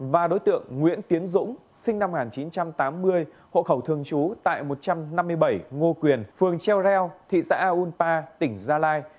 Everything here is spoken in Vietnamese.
và đối tượng nguyễn tiến dũng sinh năm một nghìn chín trăm tám mươi hộ khẩu thường trú tại một trăm năm mươi bảy ngô quyền phường treo reo thị xã aunpa tỉnh gia lai